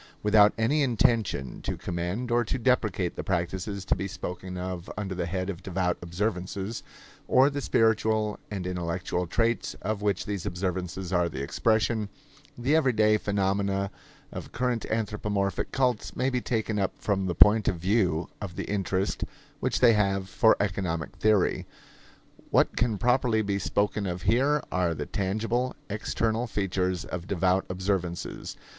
Without any intention to commend or to deprecate the practices to be spoken of under the head of devout observances, or the spiritual and intellectual traits of which these observances are the expression, the everyday phenomena of current anthropomorphic cults may be taken up from the point of view of the interest which they have for economic theory. What can properly be spoken of here are the tangible, external features of devout observances.